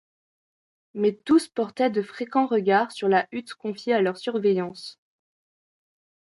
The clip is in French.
Mais tous portaient de fréquents regards sur la hutte confiée à leur surveillance.